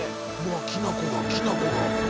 うわきなこがきなこが。